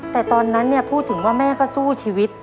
แต่ตอนนั้นพูดถึงว่าแม่ก็สู้ชีวิต